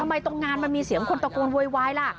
ทำไมตรงงานมันมีเสียงค้นตะโกนเววายล่ะ